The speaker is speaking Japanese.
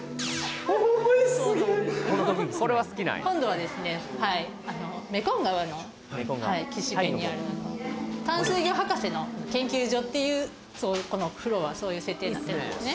はいメコン川の岸辺にある淡水魚博士の研究所っていうこのフロアそういう設定なんですね